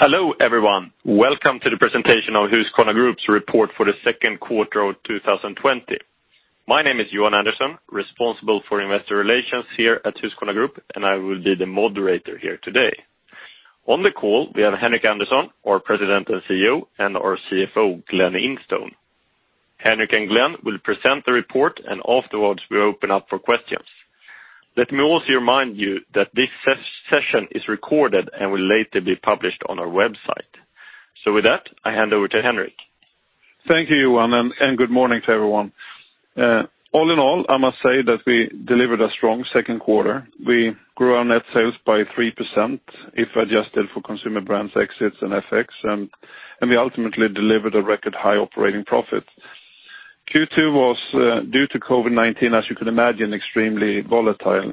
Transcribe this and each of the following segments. Hello, everyone. Welcome to the presentation of Husqvarna Group's report for the second quarter of 2020. My name is Johan Andersson, responsible for investor relations here at Husqvarna Group. I will be the moderator here today. On the call, we have Henric Andersson, our President and CEO, and our CFO, Glen Instone. Henric and Glen will present the report. Afterwards we'll open up for questions. Let me also remind you that this session is recorded and will later be published on our website. With that, I hand over to Henric. Thank you, Johan, good morning to everyone. All in all, I must say that we delivered a strong second quarter. We grew our net sales by 3%, if adjusted for consumer brands exits and FX, we ultimately delivered a record high operating profit. Q2 was, due to COVID-19, as you can imagine, extremely volatile,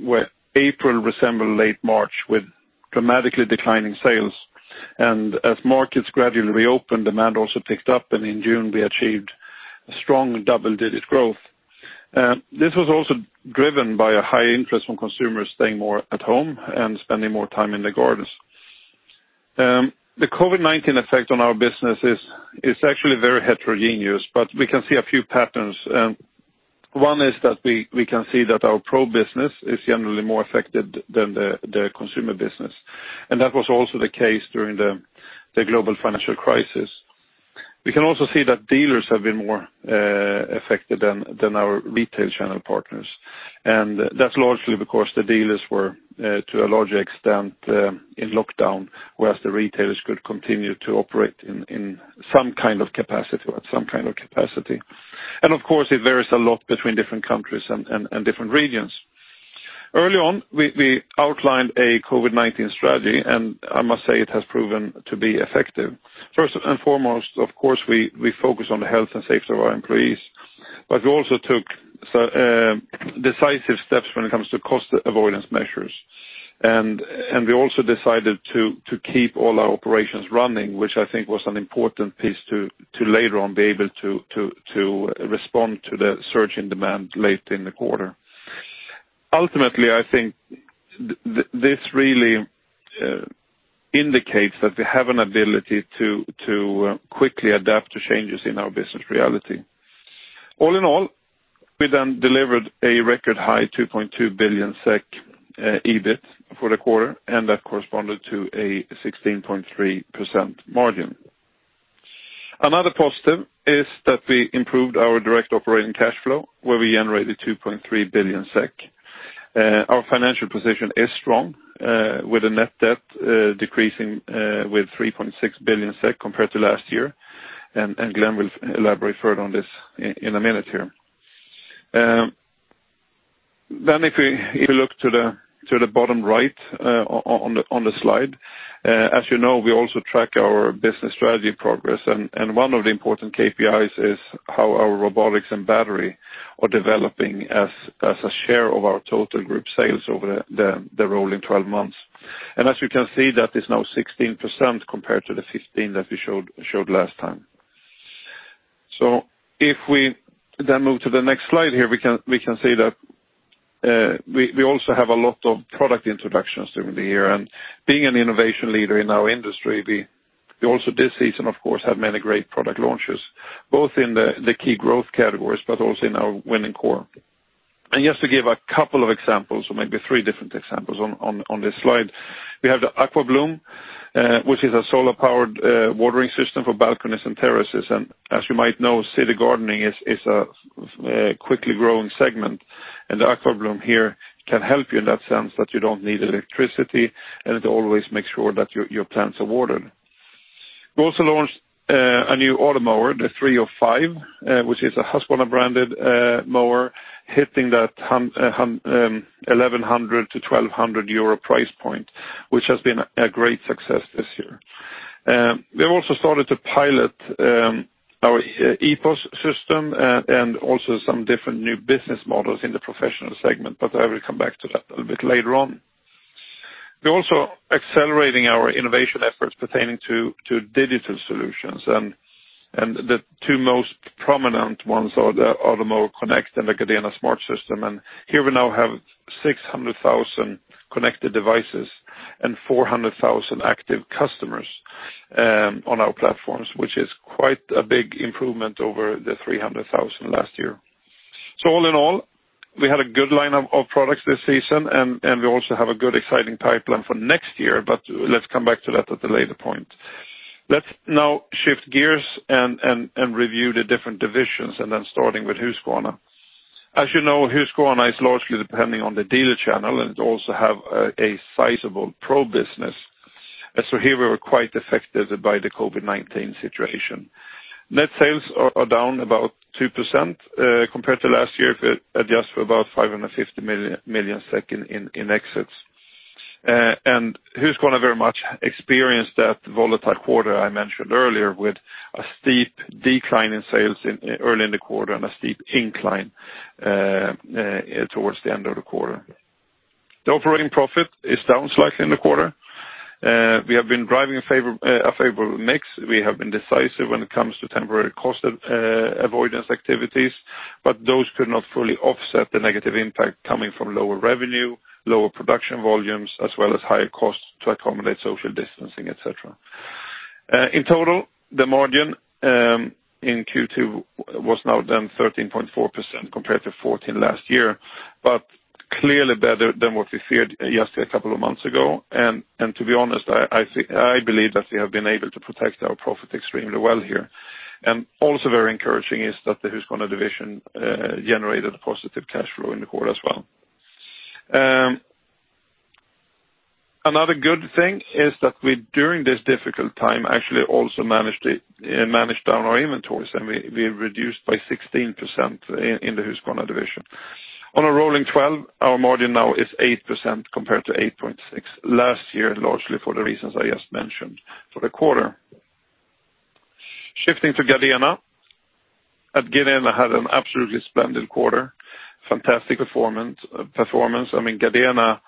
where April resembled late March with dramatically declining sales. As markets gradually reopened, demand also picked up, in June we achieved a strong double-digit growth. This was also driven by a high interest from consumers staying more at home and spending more time in their gardens. The COVID-19 effect on our business is actually very heterogeneous, we can see a few patterns. One is that we can see that our pro business is generally more affected than the consumer business. That was also the case during the global financial crisis. We can also see that dealers have been more affected than our retail channel partners. That's largely because the dealers were to a larger extent in lockdown, whereas the retailers could continue to operate at some kind of capacity. Of course, it varies a lot between different countries and different regions. Early on, we outlined a COVID-19 strategy, and I must say it has proven to be effective. First and foremost, of course, we focus on the health and safety of our employees, but we also took decisive steps when it comes to cost avoidance measures. We also decided to keep all our operations running, which I think was an important piece to later on be able to respond to the surge in demand late in the quarter. Ultimately, I think this really indicates that we have an ability to quickly adapt to changes in our business reality. All in all, we then delivered a record high 2.2 billion SEK EBIT for the quarter, and that corresponded to a 16.3% margin. Another positive is that we improved our direct operating cash flow, where we generated 2.3 billion SEK. Our financial position is strong with the net debt decreasing with 3.6 billion SEK compared to last year. Glen Instone will elaborate further on this in a minute here. If we look to the bottom right on the slide. As you know, we also track our business strategy progress, and one of the important KPIs is how our robotics and battery are developing as a share of our total group sales over the rolling 12 months. As you can see, that is now 16% compared to the 15% that we showed last time. If we then move to the next slide here, we can see that we also have a lot of product introductions during the year. Being an innovation leader in our industry, we also this season, of course, had many great product launches, both in the key growth categories, but also in our winning core. Just to give a couple of examples or maybe three different examples on this slide. We have the AquaBloom, which is a solar-powered watering system for balconies and terraces. As you might know, city gardening is a quickly growing segment, and the AquaBloom here can help you in that sense that you don't need electricity, and it always makes sure that your plants are watered. We also launched a new Automower, the 305, which is a Husqvarna-branded mower hitting that €1,100-€1,200 price point, which has been a great success this year. We have also started to pilot our EPOS system and also some different new business models in the professional segment. I will come back to that a little bit later on. We're also accelerating our innovation efforts pertaining to digital solutions. The two most prominent ones are the Automower Connect and the Gardena smart system. Here we now have 600,000 connected devices and 400,000 active customers on our platforms, which is quite a big improvement over the 300,000 last year. All in all, we had a good lineup of products this season. We also have a good exciting pipeline for next year. Let's come back to that at a later point. Let's now shift gears and review the different divisions, starting with Husqvarna. As you know, Husqvarna is largely depending on the dealer channel, and it also have a sizable pro business. Here we were quite affected by the COVID-19 situation. Net sales are down about 2% compared to last year if adjusted for about 550 million SEK in exits. Husqvarna very much experienced that volatile quarter I mentioned earlier with a steep decline in sales early in the quarter and a steep incline towards the end of the quarter. The operating profit is down slightly in the quarter. We have been driving a favorable mix. We have been decisive when it comes to temporary cost avoidance activities. Those could not fully offset the negative impact coming from lower revenue, lower production volumes, as well as higher costs to accommodate social distancing, et cetera. In total, the margin in Q2 was now down 13.4% compared to 14% last year, clearly better than what we feared just a couple of months ago. To be honest, I believe that we have been able to protect our profit extremely well here. Also very encouraging is that the Husqvarna division generated a positive cash flow in the quarter as well. Another good thing is that we, during this difficult time, actually also managed down our inventories. We reduced by 16% in the Husqvarna division. On a rolling 12, our margin now is 8% compared to 8.6% last year, largely for the reasons I just mentioned for the quarter. Shifting to Gardena. At Gardena had an absolutely splendid quarter. Fantastic performance. Gardena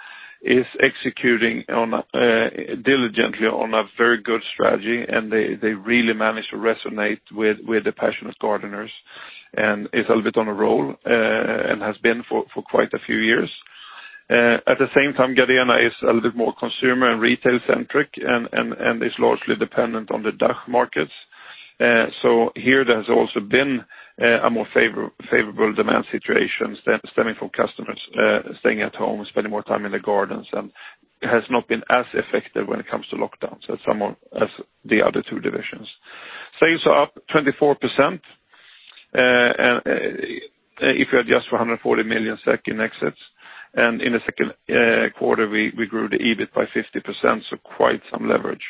is executing diligently on a very good strategy, and they really managed to resonate with the passionate gardeners, and is a little bit on a roll, and has been for quite a few years. At the same time, Gardena is a little bit more consumer and retail-centric, and is largely dependent on the DACH markets. Here there has also been a more favorable demand situation stemming from customers staying at home, spending more time in their gardens, and has not been as affected when it comes to lockdowns as the other two divisions. Sales are up 24% if you adjust for 140 million in exits. In the second quarter, we grew the EBIT by 50%, so quite some leverage.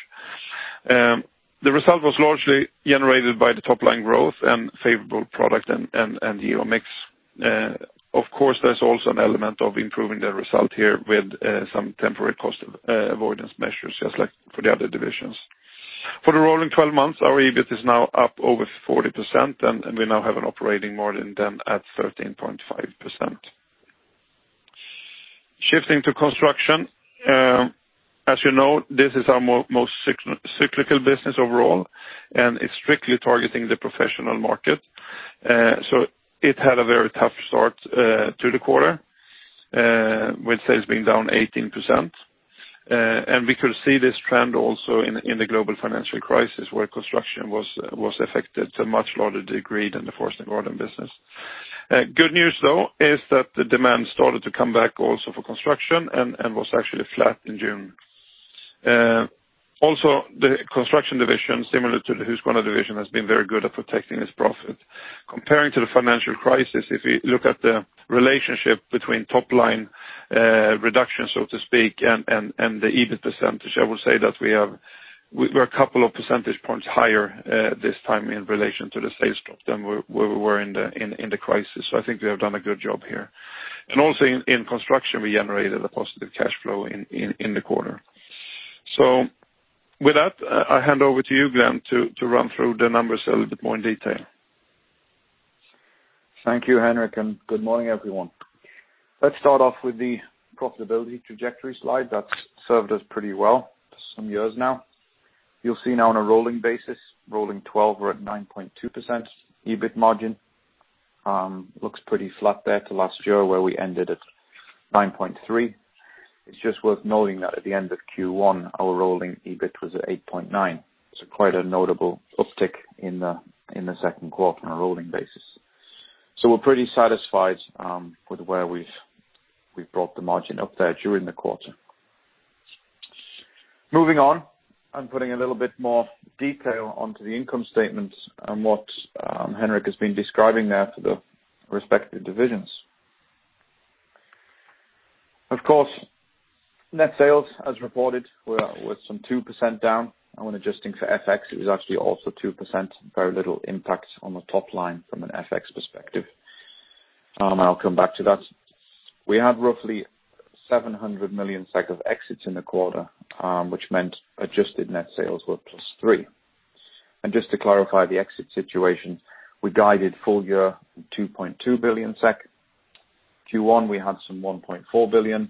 The result was largely generated by the top-line growth and favorable product and geo mix. Of course, there's also an element of improving the result here with some temporary cost avoidance measures, just like for the other divisions. For the rolling 12 months, our EBIT is now up over 40%, and we now have an operating margin then at 13.5%. Shifting to construction. As you know, this is our most cyclical business overall, and it's strictly targeting the professional market. It had a very tough start to the quarter, with sales being down 18%. We could see this trend also in the global financial crisis, where construction was affected to a much larger degree than the forest and garden business. Good news, though, is that the demand started to come back also for construction and was actually flat in June. Also, the construction division, similar to the Husqvarna division, has been very good at protecting its profit. Comparing to the financial crisis, if we look at the relationship between top-line reduction, so to speak, and the EBIT percentage, I will say that we're a couple of percentage points higher this time in relation to the sales drop than where we were in the crisis. I think we have done a good job here. And also in Construction, we generated a positive cash flow in the quarter. With that, I hand over to you, Glen, to run through the numbers a little bit more in detail. Thank you, Henric. Good morning, everyone. Let's start off with the profitability trajectory slide that's served us pretty well for some years now. You'll see now on a rolling basis, rolling 12, we're at 9.2% EBIT margin. Looks pretty flat there to last year where we ended at 9.3%. It's just worth noting that at the end of Q1, our rolling EBIT was at 8.9%. Quite a notable uptick in the second quarter on a rolling basis. We're pretty satisfied with where we've brought the margin up there during the quarter. Moving on and putting a little bit more detail onto the income statement and what Henric has been describing there for the respective divisions. Of course, net sales, as reported, were some 2% down, and when adjusting for FX, it was actually also 2%. Very little impact on the top line from an FX perspective. I'll come back to that. We had roughly 700 million of exits in the quarter, which meant adjusted net sales were +3%. Just to clarify the exit situation, we guided full year from 2.2 billion SEK. Q1 we had some 1.4 billion,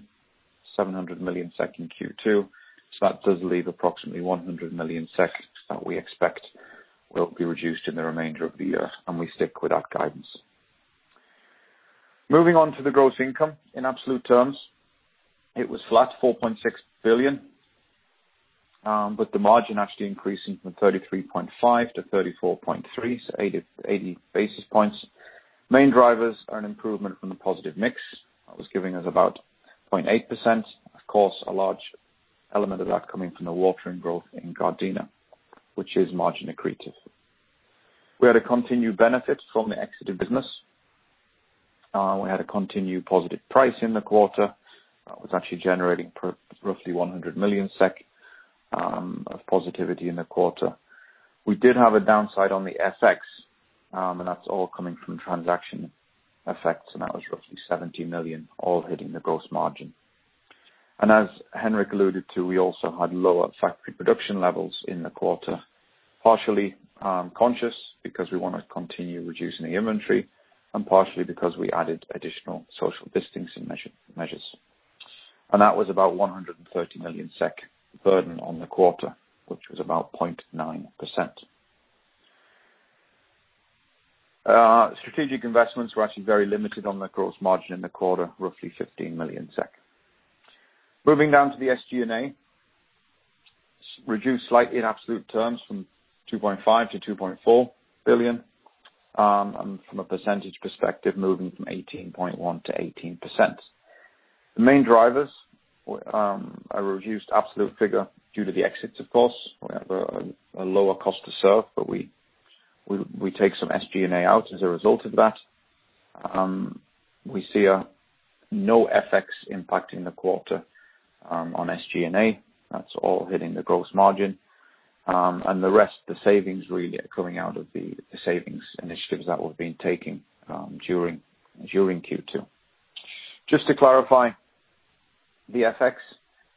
700 million SEK Q2. That does leave approximately 100 million SEK that we expect will be reduced in the remainder of the year, and we stick with that guidance. Moving on to the gross income. In absolute terms, it was flat 4.6 billion with the margin actually increasing from 33.5% to 34.3%, so 80 basis points. Main drivers are an improvement from the positive mix. That was giving us about 0.8%. Of course, a large element of that coming from the watering growth in Gardena, which is margin accretive. We had a continued benefit from the exit of business. We had a continued positive price in the quarter. That was actually generating roughly 100 million SEK of positivity in the quarter. We did have a downside on the FX, that's all coming from transaction effects, that was roughly 70 million, all hitting the gross margin. As Henric alluded to, we also had lower factory production levels in the quarter. Partially conscious because we want to continue reducing the inventory and partially because we added additional social distancing measures. That was about 130 million SEK burden on the quarter, which was about 0.9%. Strategic investments were actually very limited on the gross margin in the quarter, roughly 15 million SEK. Moving down to the SG&A, reduced slightly in absolute terms from 2.5 billion-2.4 billion. From a percentage perspective, moving from 18.1%-18%. The main drivers are a reduced absolute figure due to the exits, of course. We have a lower cost to serve, but we take some SG&A out as a result of that. We see no FX impact in the quarter on SG&A. That's all hitting the gross margin. The rest, the savings really are coming out of the savings initiatives that we've been taking during Q2. Just to clarify, the FX,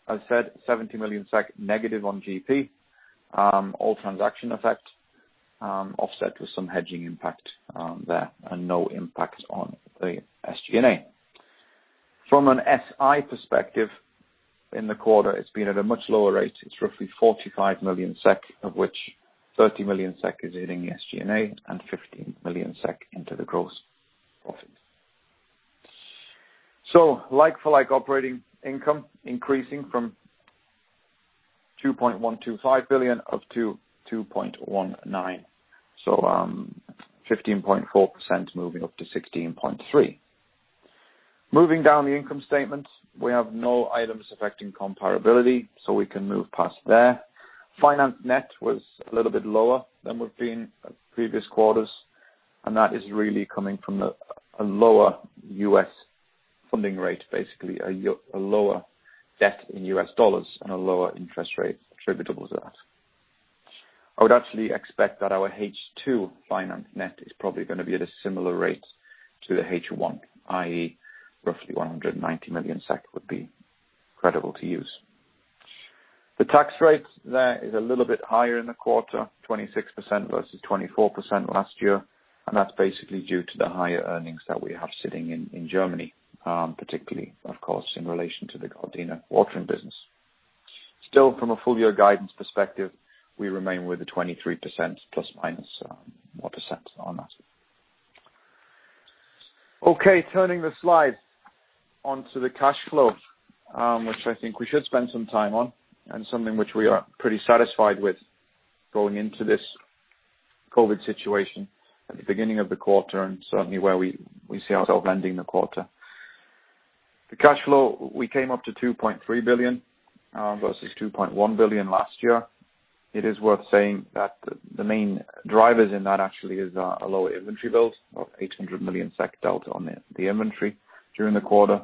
as said, 70 million SEK negative on GP, all transaction effect offset with some hedging impact there and no impact on the SG&A. From an SI perspective, in the quarter, it's been at a much lower rate. It's roughly 45 million SEK, of which 30 million SEK is hitting SG&A and 15 million SEK into the gross profit. Like for like operating income increasing from 2.125 billion up to 2.19 billion. 15.4% moving up to 16.3%. Moving down the income statement, we have no items affecting comparability, so we can move past there. Finance net was a little bit lower than we've been previous quarters. That is really coming from a lower U.S. funding rate, basically a lower debt in U.S. dollars and a lower interest rate attributable to that. I would actually expect that our H2 finance net is probably going to be at a similar rate to the H1, i.e., roughly 190 million SEK would be credible to use. The tax rate there is a little bit higher in the quarter, 26% versus 24% last year. That's basically due to the higher earnings that we have sitting in Germany, particularly of course, in relation to the Gardena watering business. Still, from a full year guidance perspective, we remain with the 23% plus minus what cents on that. Okay, turning the slide onto the cash flow, which I think we should spend some time on and something which we are pretty satisfied with going into this COVID-19 situation at the beginning of the quarter and certainly where we see ourselves ending the quarter. The cash flow, we came up to 2.3 billion, versus 2.1 billion last year. It is worth saying that the main drivers in that actually is a lower inventory build of 800 million SEK delta on the inventory during the quarter.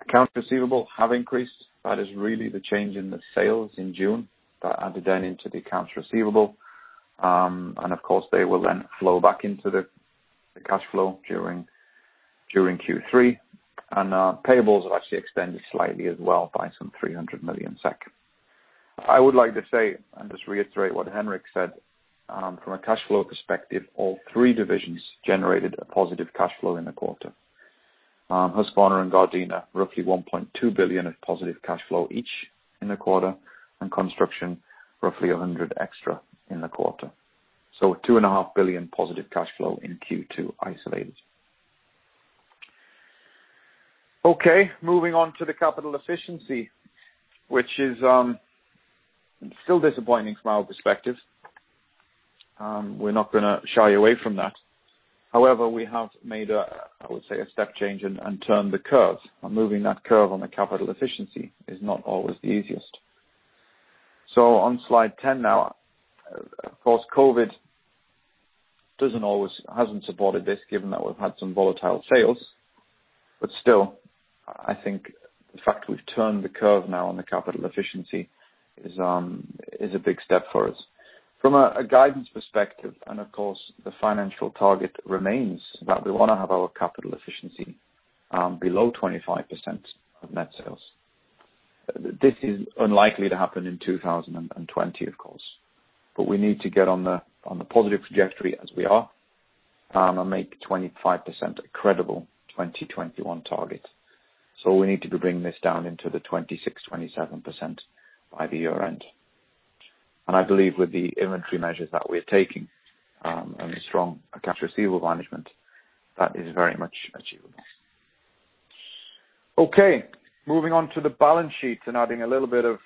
Accounts receivable have increased. That is really the change in the sales in June that added then into the accounts receivable. Of course, they will then flow back into the cash flow during Q3. Payables have actually extended slightly as well by some 300 million SEK. I would like to say, and just reiterate what Henric said, from a cash flow perspective, all three divisions generated a positive cash flow in the quarter. Husqvarna and Gardena, roughly 1.2 billion of positive cash flow each in the quarter, and Construction, roughly 100 extra in the quarter. two and a half billion positive cash flow in Q2 isolated. Okay, moving on to the capital efficiency, which is still disappointing from our perspective. We're not going to shy away from that. However, we have made a step change and turned the curve. Moving that curve on the capital efficiency is not always the easiest. On slide 10 now, of course, COVID-19 hasn't supported this given that we've had some volatile sales, but still, I think the fact we've turned the curve now on the capital efficiency is a big step for us. From a guidance perspective, of course, the financial target remains that we want to have our capital efficiency below 25% of net sales. This is unlikely to happen in 2020, of course. We need to get on the positive trajectory as we are, and make 25% a credible 2021 target. We need to be bringing this down into the 26%, 27% by the year-end. I believe with the inventory measures that we're taking, and a strong accounts receivable management, that is very much achievable. Okay, moving on to the balance sheets and adding a little bit of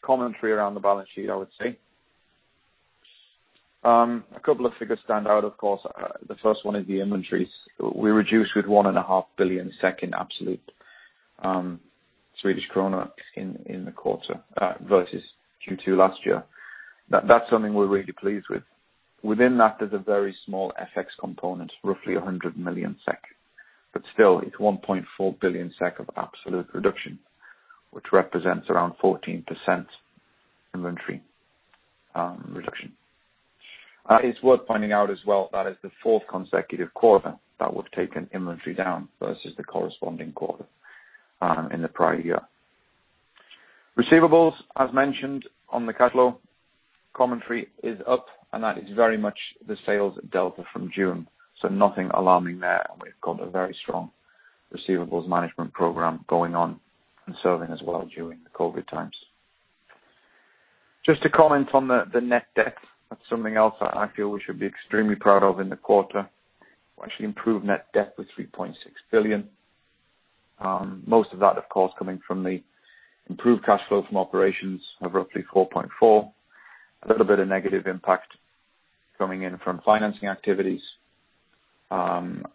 commentary around the balance sheet, I would say. A couple of figures stand out, of course. The first one is the inventories. We reduced with 1.5 billion in absolute Swedish krona in the quarter versus Q2 last year. That's something we're really pleased with. Within that, there's a very small FX component, roughly 100 million SEK. Still, it's 1.4 billion SEK of absolute reduction, which represents around 14% inventory reduction. It's worth pointing out as well, that is the fourth consecutive quarter that we've taken inventory down versus the corresponding quarter in the prior year. Receivables, as mentioned on the cash flow commentary, is up, and that is very much the sales delta from June, so nothing alarming there. We've got a very strong receivables management program going on and serving as well during the COVID times. Just to comment on the net debt. That's something else I feel we should be extremely proud of in the quarter. We actually improved net debt with 3.6 billion. Most of that, of course, coming from the improved cash flow from operations of roughly 4.4 billion. A little bit of negative impact coming in from financing activities onto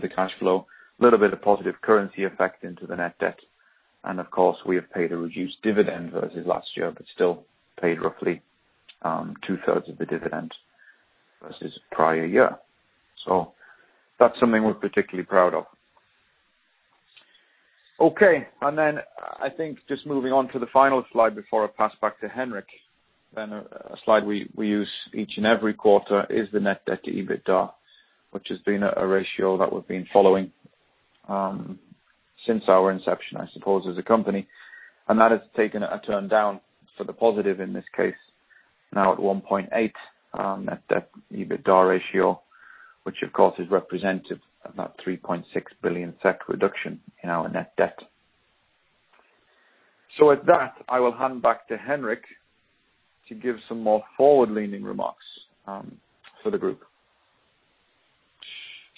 the cash flow. Little bit of positive currency effect into the net debt. Of course, we have paid a reduced dividend versus last year, but still paid roughly two-thirds of the dividend versus prior year. That's something we're particularly proud of. Okay. Then I think just moving on to the final slide before I pass back to Henric. A slide we use each and every quarter is the net debt to EBITDA, which has been a ratio that we've been following since our inception, I suppose, as a company. That has taken a turn down for the positive in this case, now at 1.8 net debt EBITDA ratio, which of course is representative of that 3.6 billion reduction in our net debt. With that, I will hand back to Henric to give some more forward-leaning remarks for the group.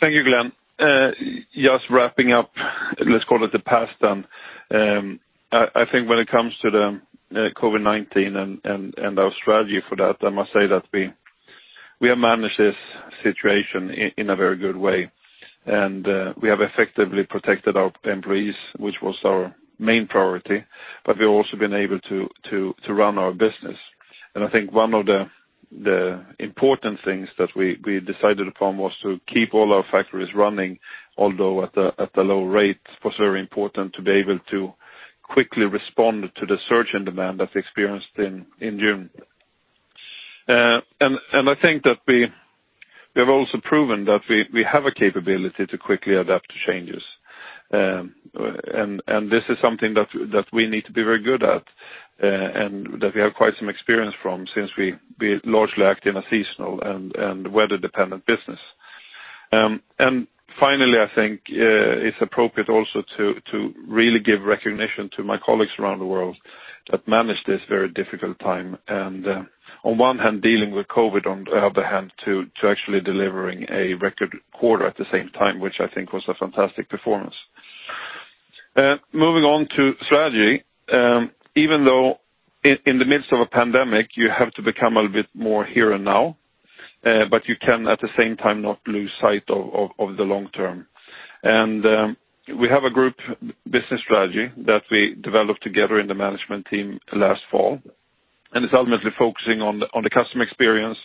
Thank you, Glen. Just wrapping up, let's call it the past then. I think when it comes to the COVID-19 and our strategy for that, I must say that we have managed this situation in a very good way, and we have effectively protected our employees, which was our main priority, but we've also been able to run our business. I think one of the important things that we decided upon was to keep all our factories running, although at a low rate, was very important to be able to quickly respond to the surge in demand that we experienced in June. I think that we have also proven that we have a capability to quickly adapt to changes. This is something that we need to be very good at, and that we have quite some experience from since we largely act in a seasonal and weather-dependent business. Finally, I think it's appropriate also to really give recognition to my colleagues around the world that managed this very difficult time. On one hand, dealing with COVID, on the other hand, to actually delivering a record quarter at the same time, which I think was a fantastic performance. Moving on to strategy. Even though in the midst of a pandemic, you have to become a little bit more here and now, but you can, at the same time, not lose sight of the long term. We have a group business strategy that we developed together in the management team last fall, and it's ultimately focusing on the customer experience,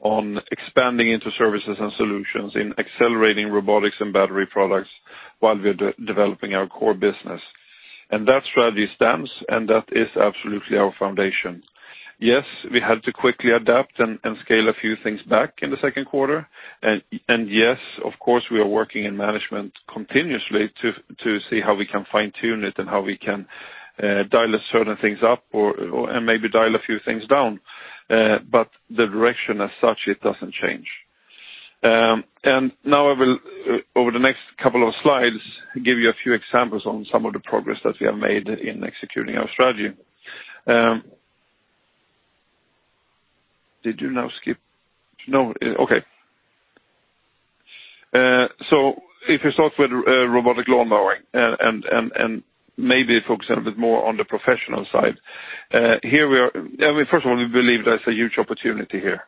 on expanding into services and solutions, in accelerating robotics and battery products while we are developing our core business. That strategy stands, and that is absolutely our foundation. Yes, we had to quickly adapt and scale a few things back in the second quarter. Yes, of course, we are working in management continuously to see how we can fine-tune it and how we can dial certain things up, and maybe dial a few things down. The direction as such, it doesn't change. Now I will, over the next couple of slides, give you a few examples on some of the progress that we have made in executing our strategy. Did you now skip? No. Okay. If you start with robotic lawn mowing and maybe focus a little bit more on the professional side. First of all, we believe there's a huge opportunity here.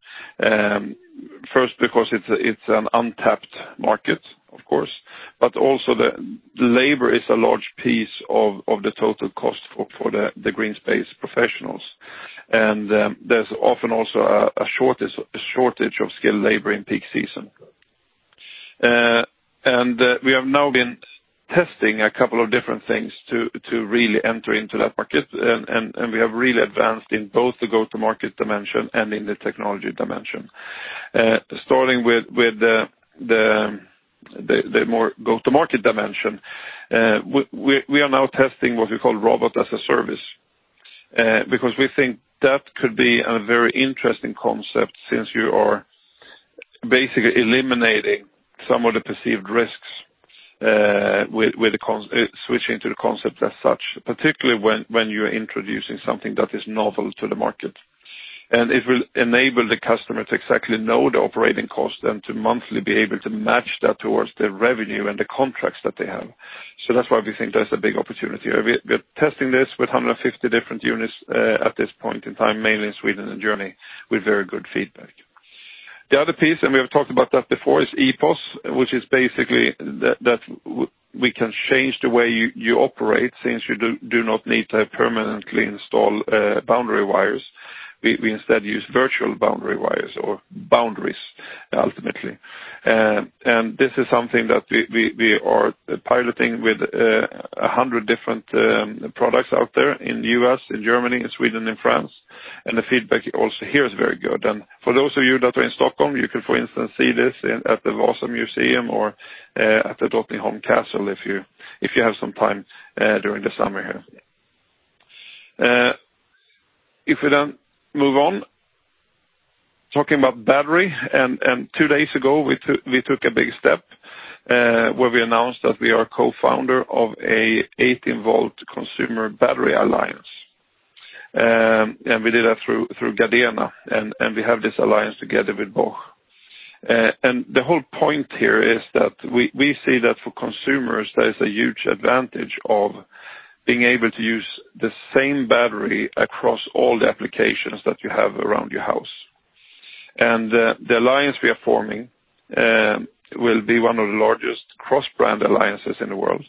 First, because it's an untapped market, of course, but also the labor is a large piece of the total cost for the green space professionals. There's often also a shortage of skilled labor in peak season. We have now been testing a couple of different things to really enter into that market, and we have really advanced in both the go-to-market dimension and in the technology dimension. Starting with the more go-to-market dimension. We are now testing what we call Robotics-as-a-Service, because we think that could be a very interesting concept since you are basically eliminating some of the perceived risks with switching to the concept as such, particularly when you are introducing something that is novel to the market. It will enable the customer to exactly know the operating cost and to monthly be able to match that towards the revenue and the contracts that they have. That's why we think there is a big opportunity. We are testing this with 150 different units at this point in time, mainly in Sweden and Germany, with very good feedback. The other piece, and we have talked about that before, is EPOS, which is basically that we can change the way you operate since you do not need to permanently install boundary wires. We instead use virtual boundary wires or boundaries, ultimately. This is something that we are piloting with 100 different products out there in the U.S., in Germany, in Sweden, and France. The feedback also here is very good. For those of you that are in Stockholm, you could, for instance, see this at the Vasa Museum or at the Drottningholm Castle if you have some time during the summer here. If we then move on, talking about battery, two days ago we took a big step where we announced that we are co-founder of a 18-volt consumer battery alliance. We did that through Gardena, and we have this alliance together with Bosch. The whole point here is that we see that for consumers, there is a huge advantage of being able to use the same battery across all the applications that you have around your house. The alliance we are forming will be one of the largest cross-brand alliances in the world.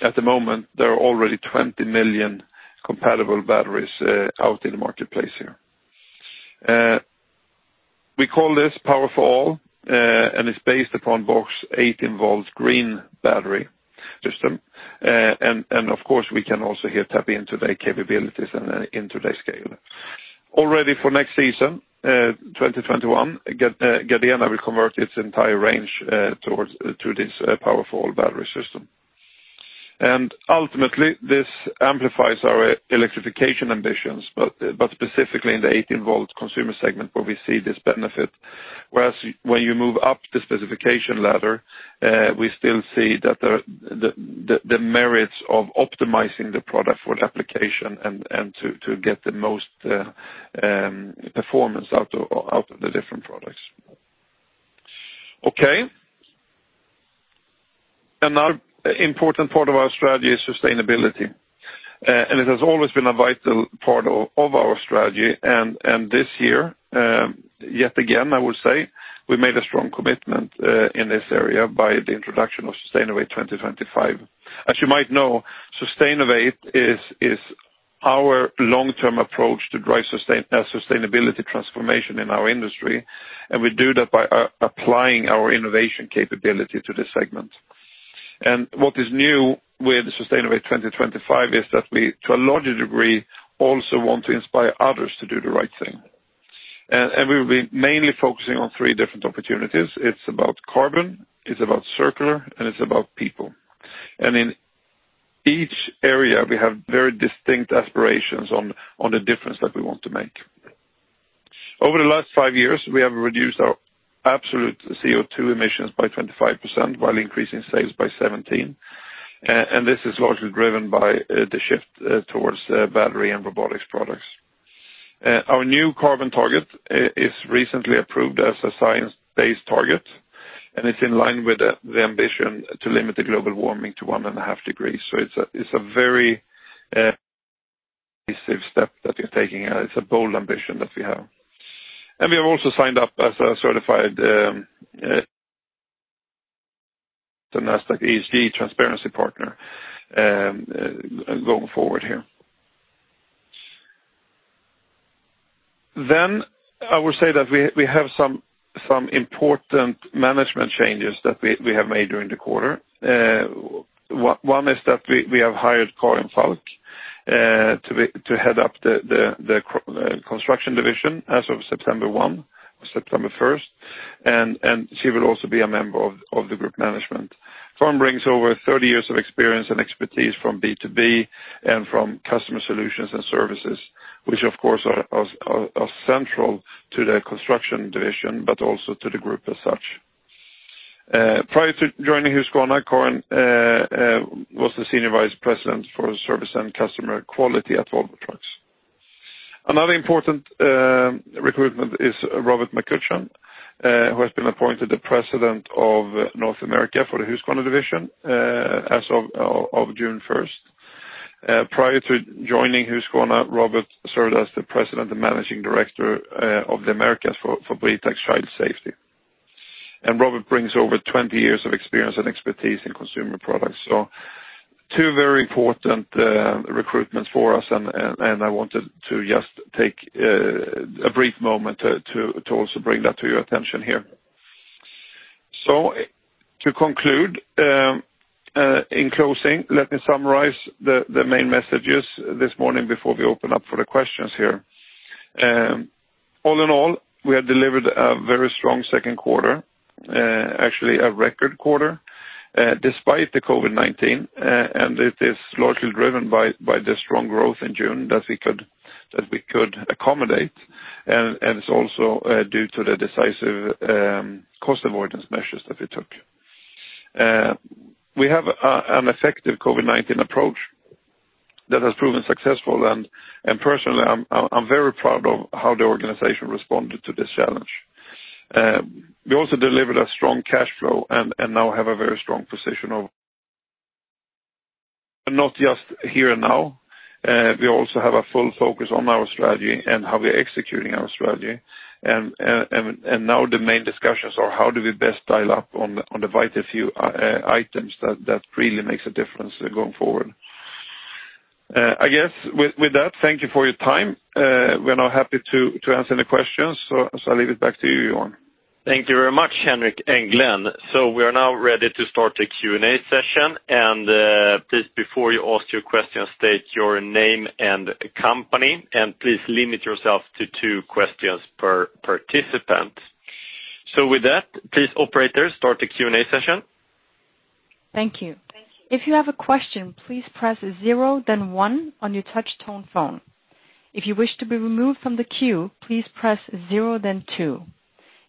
At the moment, there are already 20 million compatible batteries out in the marketplace here. We call this Power for All, and it's based upon Bosch's 18V green battery system. Of course, we can also here tap into their capabilities and into their scale. Already for next season, 2021, Gardena will convert its entire range to this Power for All battery system. Ultimately, this amplifies our electrification ambitions, but specifically in the 18-volt consumer segment where we see this benefit. When you move up the specification ladder, we still see the merits of optimizing the product for the application and to get the most performance out of the different products. Okay. Another important part of our strategy is sustainability. It has always been a vital part of our strategy. This year, yet again, I will say, we made a strong commitment in this area by the introduction of Sustainovate 2025. As you might know, Sustainovate is our long-term approach to drive sustainability transformation in our industry, and we do that by applying our innovation capability to the segment. What is new with Sustainovate 2025 is that we, to a larger degree, also want to inspire others to do the right thing. We will be mainly focusing on three different opportunities. It's about carbon, it's about circular, and it's about people. In each area, we have very distinct aspirations on the difference that we want to make. Over the last five years, we have reduced our absolute CO2 emissions by 25% while increasing sales by 17%. This is largely driven by the shift towards battery and robotics products. Our new carbon target is recently approved as a science-based target, and it's in line with the ambition to limit the global warming to one and a half degrees. It's a very decisive step that we're taking, and it's a bold ambition that we have. We have also signed up as a certified NASDAQ ESG transparency partner going forward here. I will say that we have some important management changes that we have made during the quarter. One is that we have hired Karin Falk to head up the Construction Division as of September 1st, and she will also be a member of the Group Management. Karin brings over 30 years of experience and expertise from B2B and from customer solutions and services, which of course are central to the Construction Division, but also to the group as such. Prior to joining Husqvarna, Karin was the senior vice president for service and customer quality at Volvo Trucks. Another important recruitment is Robert McCutcheon, who has been appointed the President of North America for the Husqvarna Division as of June 1st. Prior to joining Husqvarna, Robert served as the President and Managing Director of the Americas for Britax Child Safety. Robert brings over 20 years of experience and expertise in consumer products. Two very important recruitments for us, and I wanted to just take a brief moment to also bring that to your attention here. To conclude, in closing, let me summarize the main messages this morning before we open up for the questions here. All in all, we have delivered a very strong second quarter, actually a record quarter despite the COVID-19, and it is largely driven by the strong growth in June that we could accommodate, and it's also due to the decisive cost avoidance measures that we took. We have an effective COVID-19 approach that has proven successful, and personally, I'm very proud of how the organization responded to this challenge. We also delivered a strong cash flow and now have a very strong position of not just here and now. We also have a full focus on our strategy and how we are executing our strategy. Now the main discussions are how do we best dial up on the vital few items that really makes a difference going forward. I guess with that, thank you for your time. We're now happy to answer any questions. I'll leave it back to you, Johan. Thank you very much, Henric and Glen. We are now ready to start the Q&A session. Please, before you ask your question, state your name and company, and please limit yourself to two questions per participant. With that, please operators, start the Q&A session. Thank you. If you have a question, please press zero then one on your touch tone phone. If you wish to be removed from the queue, please press zero then two.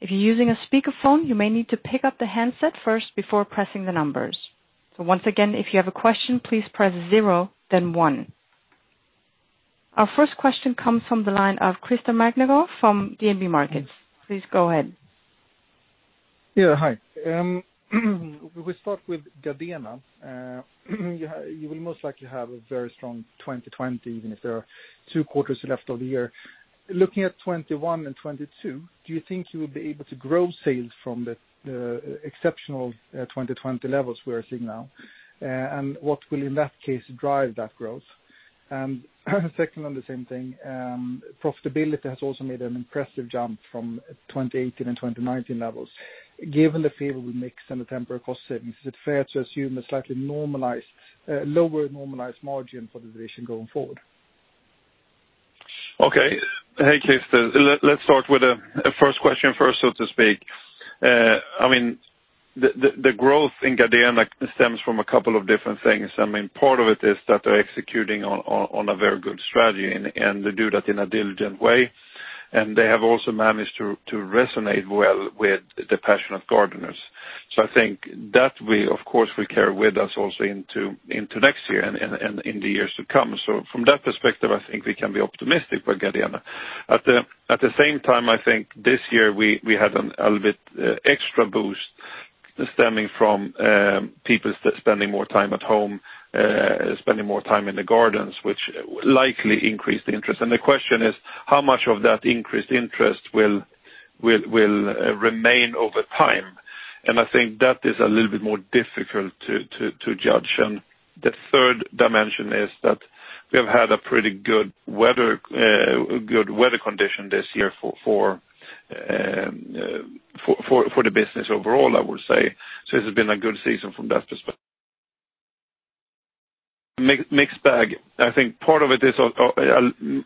If you're using a speakerphone, you may need to pick up the handset first before pressing the numbers. Once again, if you have a question, please press zero, then one. Our first question comes from the line of Christer Magnergård from DNB Markets. Please go ahead. Yeah, hi. We start with Gardena. You will most likely have a very strong 2020, even if there are two quarters left of the year. Looking at 2021 and 2022, do you think you will be able to grow sales from the exceptional 2020 levels we are seeing now? What will, in that case, drive that growth? Second on the same thing, profitability has also made an impressive jump from 2018 and 2019 levels. Given the favorable mix and the temporary cost savings, is it fair to assume a slightly lower normalized margin for the division going forward? Hey, Christer. Let's start with the first question first, so to speak. The growth in Gardena stems from a couple of different things. Part of it is that they're executing on a very good strategy, and they do that in a diligent way. They have also managed to resonate well with the passion of gardeners. I think that way, of course, we carry with us also into next year and in the years to come. From that perspective, I think we can be optimistic for Gardena. At the same time, I think this year we had a little bit extra boost stemming from people spending more time at home, spending more time in the gardens, which likely increased the interest. The question is how much of that increased interest will remain over time? I think that is a little bit more difficult to judge. The third dimension is that we have had a pretty good weather condition this year for the business overall, I would say. This has been a good season from that perspective. Mixed bag. I think part of it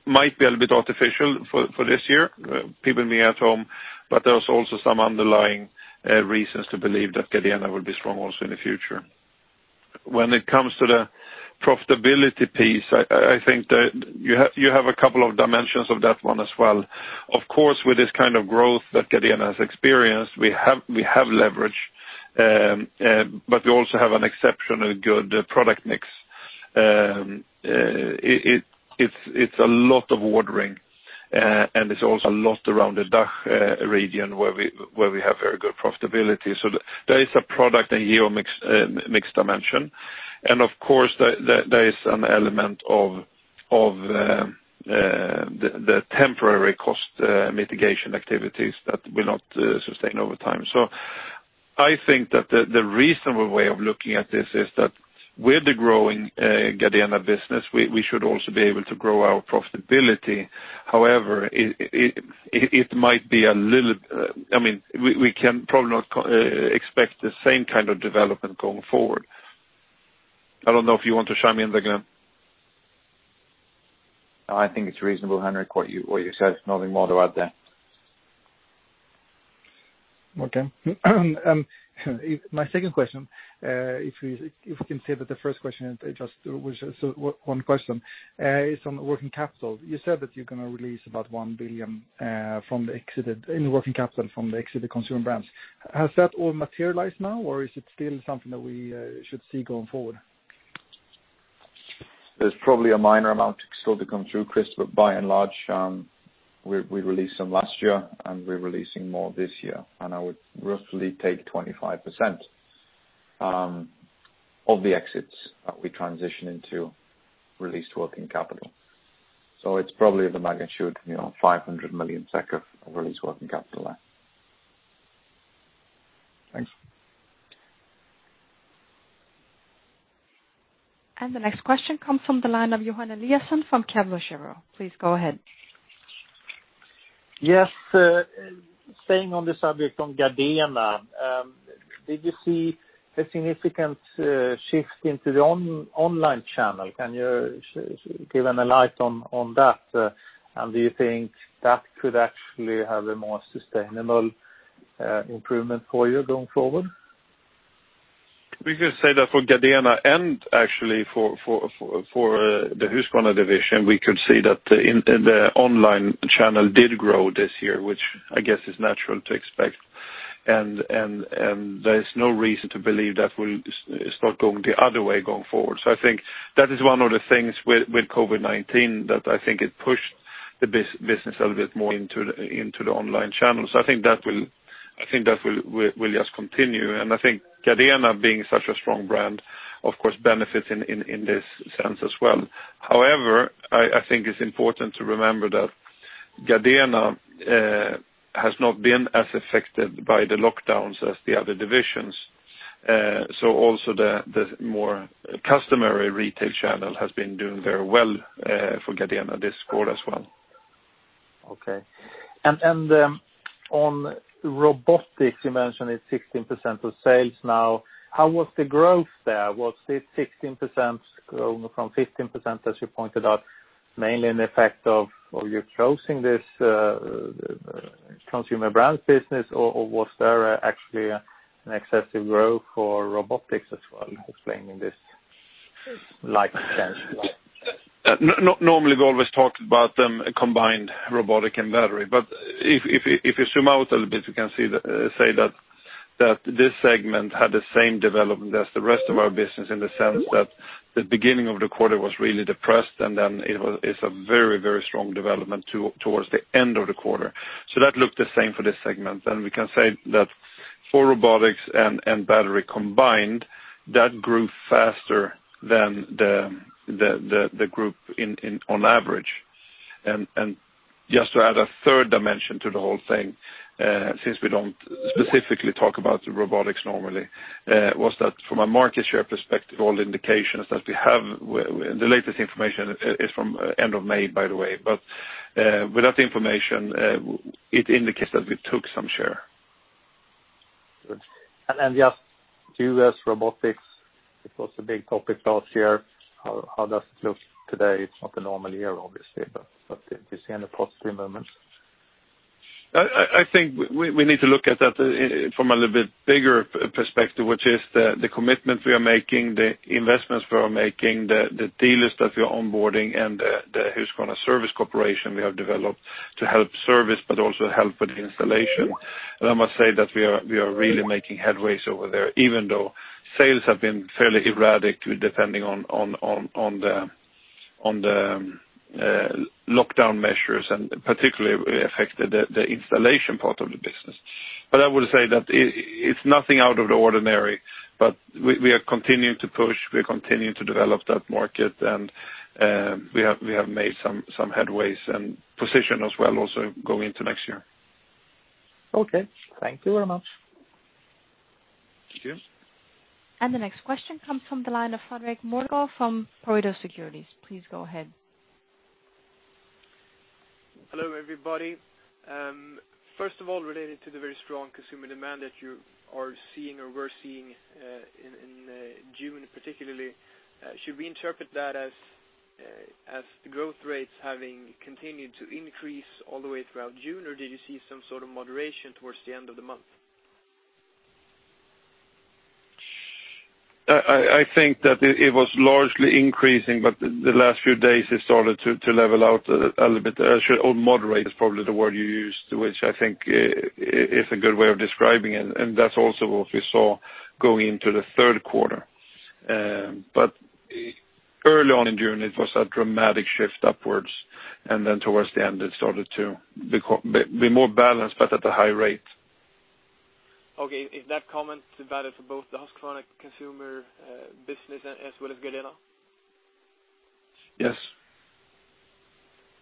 might be a little bit artificial for this year, people being at home, but there's also some underlying reasons to believe that Gardena will be strong also in the future. When it comes to the profitability piece, I think that you have a couple of dimensions of that one as well. Of course, with this kind of growth that Gardena has experienced, we have leverage, but we also have an exceptionally good product mix. It's a lot of watering, and it's also a lot around the DACH region where we have very good profitability. There is a product and geo mixed dimension. Of course, there is an element of the temporary cost mitigation activities that will not sustain over time. I think that the reasonable way of looking at this is that with the growing Gardena business, we should also be able to grow our profitability. However, we can probably not expect the same kind of development going forward. I don't know if you want to chime in there, Glen. I think it's reasonable, Henric, what you said. Nothing more to add there. Okay. My second question, if we can say that the first question was one question, is on working capital. You said that you're going to release about 1 billion in working capital from the exited consumer brands. Has that all materialized now, or is it still something that we should see going forward? There's probably a minor amount still to come through, Christer. By and large, we released some last year, we're releasing more this year. I would roughly take 25% of the exits that we transition into released working capital. It's probably the magnitude of 500 million of released working capital. Thanks. The next question comes from the line of Johan Eliason from Kepler Cheuvreux. Please go ahead. Yes. Staying on the subject on Gardena, did you see a significant shift into the online channel? Can you give any light on that? Do you think that could actually have a more sustainable improvement for you going forward? We could say that for Gardena and actually for the Husqvarna division, we could see that the online channel did grow this year, which I guess is natural to expect. There is no reason to believe that will start going the other way going forward. I think that is one of the things with COVID-19 that I think it pushed the business a little bit more into the online channel. I think that will just continue, and I think Gardena, being such a strong brand, of course, benefits in this sense as well. However, I think it's important to remember that Gardena has not been as affected by the lockdowns as the other divisions. Also the more customary retail channel has been doing very well for Gardena this quarter as well. Okay. On robotics, you mentioned it is 16% of sales now. How was the growth there? Was it 16% grown from 15%, as you pointed out, mainly an effect of you choosing this consumer brands business, or was there actually an excessive growth for robotics as well, explaining this like sense? Normally we always talked about combined robotic and battery. If you zoom out a little bit, we can say that this segment had the same development as the rest of our business in the sense that the beginning of the quarter was really depressed, and then it's a very strong development towards the end of the quarter. That looked the same for this segment. We can say that for robotics and battery combined, that grew faster than the group on average. Just to add a third dimension to the whole thing, since we don't specifically talk about robotics normally, was that from a market share perspective, all the indications that we have, the latest information is from end of May, by the way. With that information, it indicates that we took some share. Good. Just U.S. robotics, it was a big topic last year. How does it look today? It's not a normal year, obviously, but do you see any positive movements? I think we need to look at that from a little bit bigger perspective, which is the commitment we are making, the investments we are making, the dealers that we are onboarding, and the Husqvarna service corporation we have developed to help service but also help with installation. I must say that we are really making headways over there, even though sales have been fairly erratic, depending on the lockdown measures and particularly affected the installation part of the business. I would say that it's nothing out of the ordinary, but we are continuing to push, we are continuing to develop that market, and we have made some headways and position as well also going into next year. Okay. Thank you very much. Thank you. The next question comes from the line of Fredrik Molander from Pareto Securities. Please go ahead. Hello, everybody. First of all, related to the very strong consumer demand that you are seeing or were seeing in June, particularly, should we interpret that as growth rates having continued to increase all the way throughout June? Or did you see some sort of moderation towards the end of the month? I think that it was largely increasing, but the last few days it started to level out a little bit. Moderate is probably the word you used, which I think is a good way of describing it, and that's also what we saw going into the third quarter. Early on in June, it was a dramatic shift upwards, and then towards the end, it started to be more balanced, but at a high rate. Okay. Is that comment valid for both the Husqvarna consumer business as well as Gardena? Yes.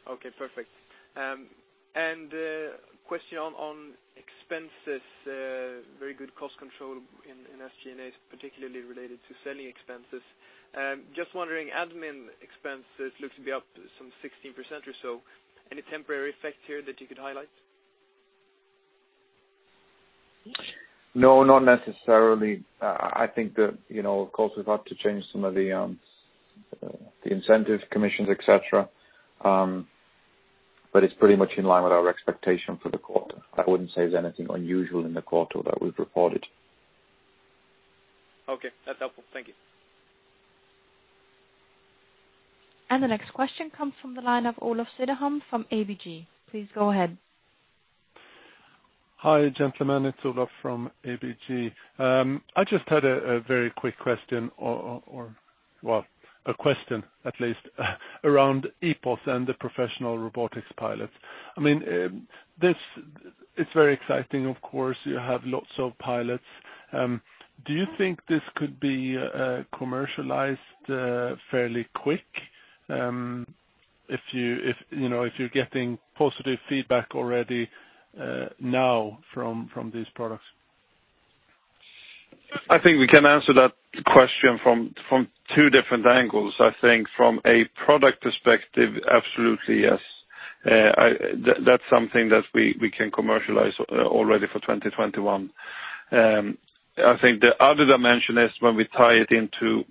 Okay, perfect. A question on expenses. Very good cost control in SG&A, particularly related to selling expenses. Just wondering, admin expenses looks to be up some 16% or so. Any temporary effect here that you could highlight? No, not necessarily. I think that of course, we've had to change some of the incentive commissions, et cetera. It's pretty much in line with our expectation for the quarter. I wouldn't say there's anything unusual in the quarter that we've reported. Okay, that's helpful. Thank you. The next question comes from the line of Olof Söderhamn from ABG. Please go ahead. Hi, gentlemen, it's Olof from ABG. I just had a very quick question, or, well, a question at least, around EPOS and the professional robotics pilots. It's very exciting, of course. You have lots of pilots. Do you think this could be commercialized fairly quick? If you're getting positive feedback already now from these products. I think we can answer that question from two different angles. I think from a product perspective, absolutely yes. That is something that we can commercialize already for 2021. I think the other dimension is when we tie it into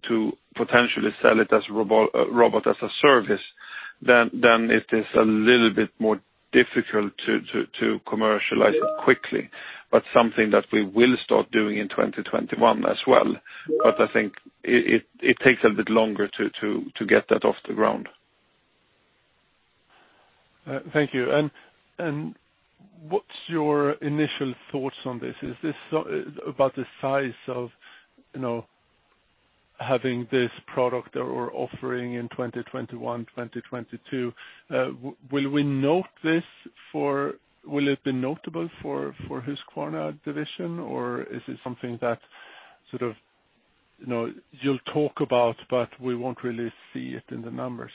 potentially sell it as Robotics-as-a-Service, then it is a little bit more difficult to commercialize it quickly, but something that we will start doing in 2021 as well. I think it takes a bit longer to get that off the ground. Thank you. What's your initial thoughts on this? Is this about the size of having this product or offering in 2021, 2022? Will it be notable for Husqvarna Division, or is it something that sort of you'll talk about, but we won't really see it in the numbers?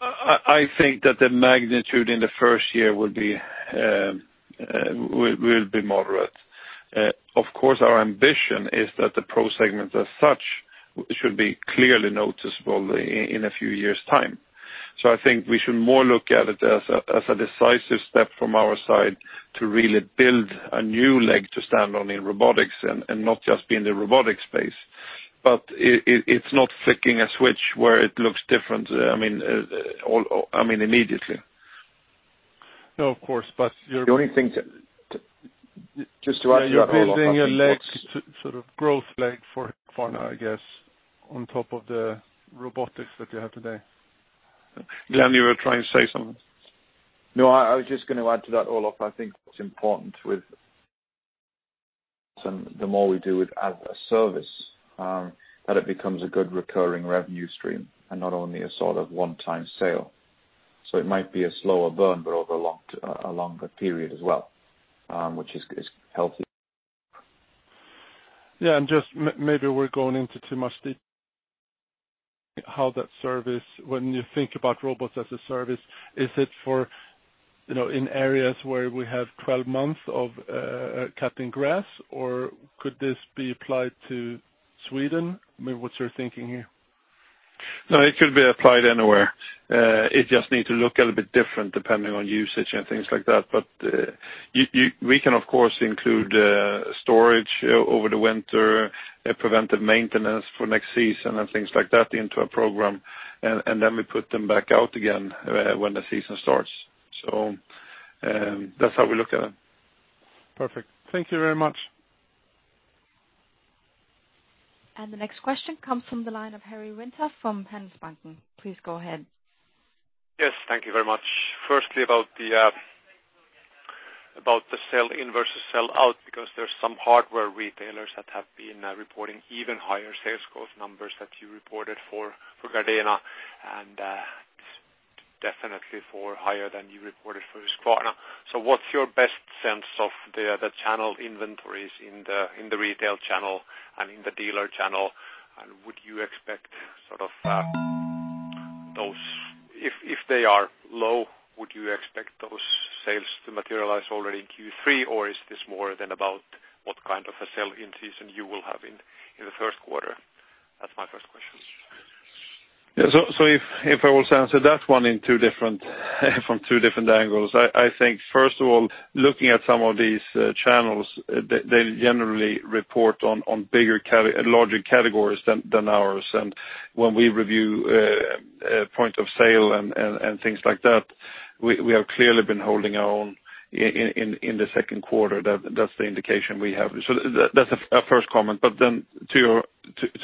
I think that the magnitude in the first year will be moderate. Of course, our ambition is that the pro segment, as such, should be clearly noticeable in a few years' time. I think we should more look at it as a decisive step from our side to really build a new leg to stand on in robotics and not just be in the robotic space. It's not flicking a switch where it looks different immediately. No, of course. Just to add to that, Olof. You're building a leg, sort of growth leg for Husqvarna, I guess, on top of the robotics that you have today. Glen, you were trying to say something. No, I was just going to add to that, Olof. I think it's important with some, the more we do it as a service, that it becomes a good recurring revenue stream and not only a sort of one-time sale. It might be a slower burn, but over a longer period as well, which is healthy. Yeah. Just maybe we're going into too much detail. How that service, when you think about Robotics-as-a-Service, is it in areas where we have 12 months of cutting grass, or could this be applied to Sweden? I mean, what's your thinking here? No, it could be applied anywhere. It just needs to look a little bit different depending on usage and things like that. We can of course include storage over the winter, preventive maintenance for next season and things like that into a program, and then we put them back out again when the season starts. That's how we look at it. Perfect. Thank you very much. The next question comes from the line of Karri Rinta from Handelsbanken. Please go ahead. Yes. Thank you very much. Firstly, about the sell in versus sell out, because there's some hardware retailers that have been reporting even higher sales growth numbers that you reported for Gardena, and definitely for higher than you reported for Husqvarna. What's your best sense of the channel inventories in the retail channel and in the dealer channel? Would you expect those, if they are low, would you expect those sales to materialize already in Q3? Or is this more than about what kind of a sell-in season you will have in the first quarter? That's my first question. If I will answer that one from two different angles. I think, first of all, looking at some of these channels, they generally report on bigger, larger categories than ours. When we review point of sale and things like that, we have clearly been holding our own in the second quarter. That's the indication we have. That's a first comment. Then to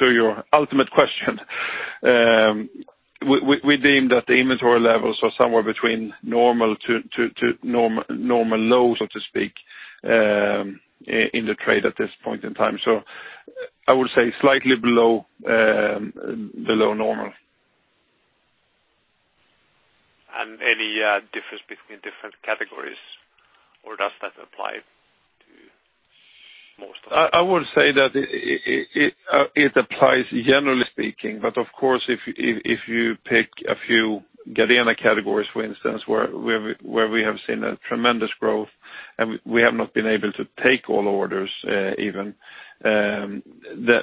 your ultimate question, we deem that the inventory levels are somewhere between normal to normal low, so to speak, in the trade at this point in time. I would say slightly below normal. Any difference between different categories, or does that apply to most of them? I would say that it applies generally speaking, but of course, if you pick a few Gardena categories, for instance, where we have seen a tremendous growth and we have not been able to take all orders even, then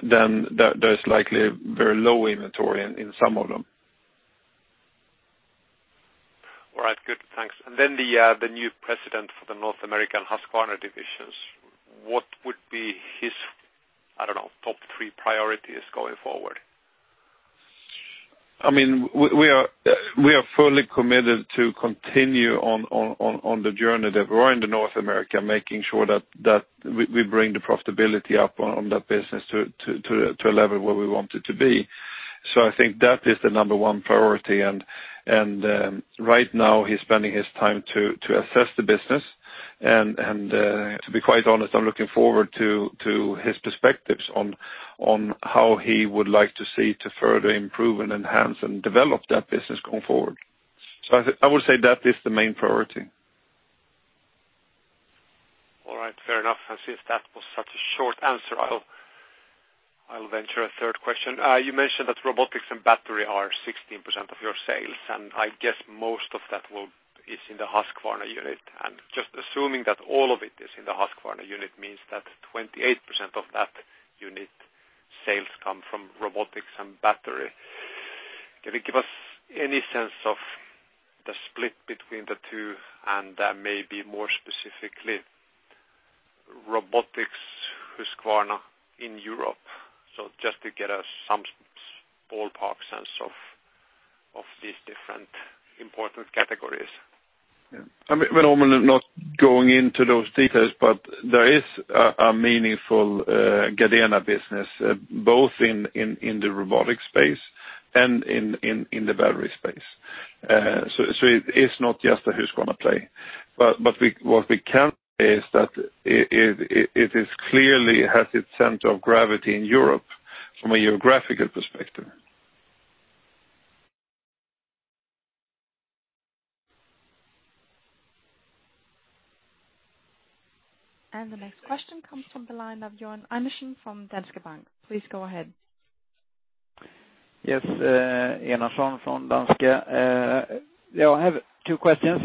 there's likely very low inventory in some of them. All right, good, thanks. The new president for the North American Husqvarna divisions, what would be his, I don't know, top three priorities going forward? We are fully committed to continue on the journey that we're in North America, making sure that we bring the profitability up on that business to a level where we want it to be. I think that is the number 1 priority, and right now he's spending his time to assess the business, and to be quite honest, I'm looking forward to his perspectives on how he would like to see to further improve and enhance and develop that business going forward. I would say that is the main priority. All right. Fair enough. Since that was such a short answer, I'll venture a third question. You mentioned that robotics and battery are 16% of your sales, and I guess most of that is in the Husqvarna unit. Just assuming that all of it is in the Husqvarna unit means that 28% of that unit sales come from robotics and battery. Can you give us any sense of the split between the two and maybe more specifically, robotics Husqvarna in Europe? Just to get us some ballpark sense of these different important categories. I mean, we're normally not going into those details, but there is a meaningful Gardena business both in the robotic space and in the battery space. It's not just a Husqvarna play, but what we can say is that it clearly has its center of gravity in Europe from a geographical perspective. The next question comes from the line of Björn Enarson from Danske Bank. Please go ahead. Yes, Enarson from Danske. I have two questions.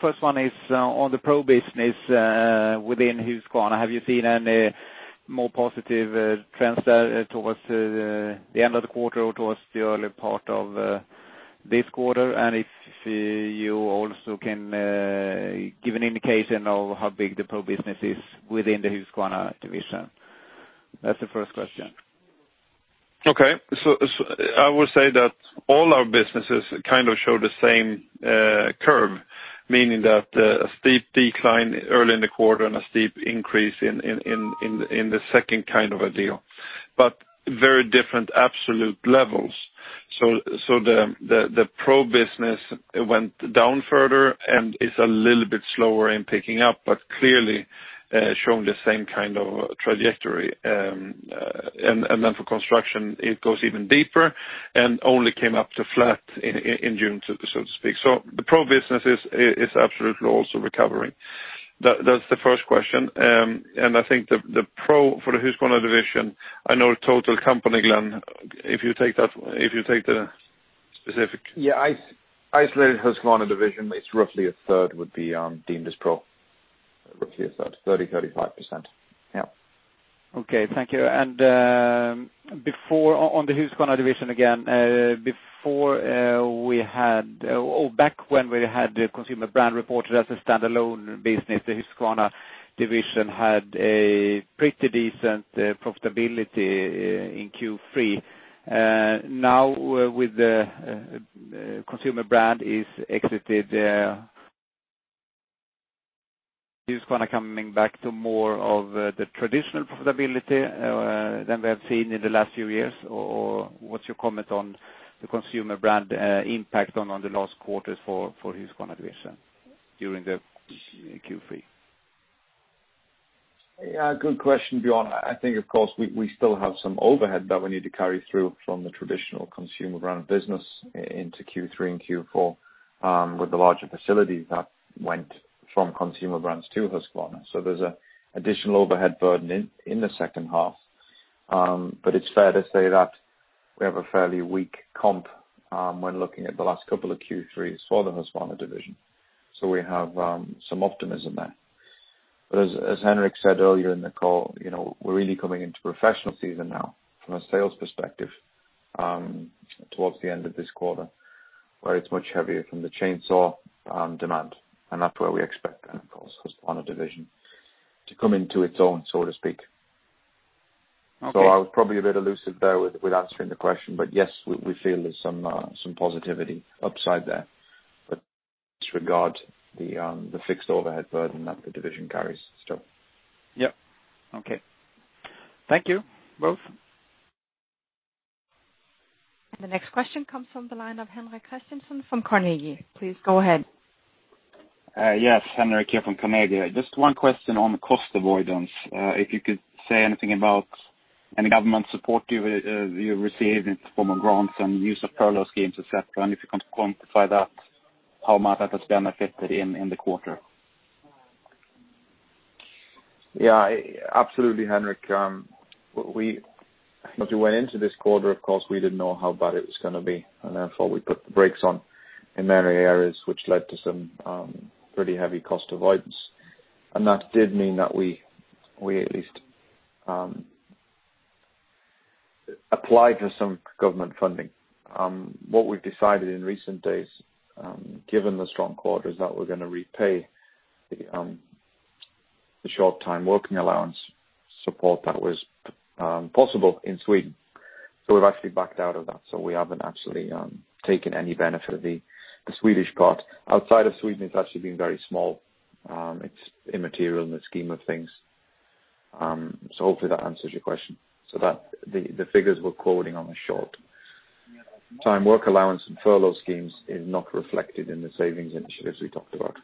First one is on the pro business within Husqvarna. Have you seen any more positive trends there towards the end of the quarter or towards the early part of this quarter? If you also can give an indication of how big the pro business is within the Husqvarna division. That's the first question. Okay. I would say that all our businesses show the same curve, meaning that a steep decline early in the quarter and a steep increase in the second kind of a deal, but very different absolute levels. The pro business went down further and is a little bit slower in picking up, but clearly showing the same kind of trajectory. For Construction, it goes even deeper and only came up to flat in June, so to speak. The pro business is absolutely also recovering. That's the first question. I think the pro for the Husqvarna Division, I know total company, Glen, if you take the specific. Yeah, isolated Husqvarna division, it's roughly a third would be deemed as pro. Roughly a third, 30, 35%. Yeah. Okay. Thank you. On the Husqvarna division again, back when we had the consumer brand reported as a standalone business, the Husqvarna division had a pretty decent profitability in Q3. Now with the consumer brand is exited, Husqvarna coming back to more of the traditional profitability than we have seen in the last few years? What's your comment on the consumer brand impact on the last quarter for Husqvarna division during the Q3? Yeah, good question, Johan. I think, of course, we still have some overhead that we need to carry through from the traditional consumer brand business into Q3 and Q4 with the larger facility that went from consumer brands to Husqvarna. There's an additional overhead burden in the second half. It's fair to say that we have a fairly weak comp when looking at the last couple of Q3s for the Husqvarna division. We have some optimism there. As Henric said earlier in the call, we're really coming into professional season now from a sales perspective towards the end of this quarter, where it's much heavier from the chainsaw demand, and that's where we expect then, of course, Husqvarna division to come into its own, so to speak. Okay. I was probably a bit elusive there with answering the question, but yes, we feel there's some positivity upside there. Disregard the fixed overhead burden that the division carries still. Yep. Okay. Thank you both. The next question comes from the line of Henrik Christiansson from Carnegie. Please go ahead. Yes, Henrik here from Carnegie. Just one question on cost avoidance. If you could say anything about any government support you received in the form of grants and use of furlough schemes, et cetera. If you can quantify that, how much that has benefited in the quarter? Yeah, absolutely, Henrik. As we went into this quarter, of course, we didn't know how bad it was going to be, and therefore we put the brakes on in many areas, which led to some pretty heavy cost avoidance. That did mean that we at least applied for some government funding. What we've decided in recent days given the strong quarter is that we're going to repay the short time working allowance support that was possible in Sweden. We've actually backed out of that, so we haven't actually taken any benefit of the Swedish part. Outside of Sweden, it's actually been very small. It's immaterial in the scheme of things. Hopefully that answers your question. The figures we're quoting on the short time work allowance and furlough schemes is not reflected in the savings initiatives we talked about.